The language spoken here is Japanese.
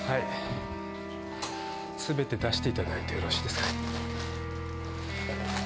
すべて出していただいてよろしいですか。